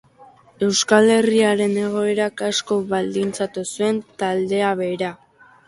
Euskal Herriaren egoerak asko baldintzatu zuen taldea bera.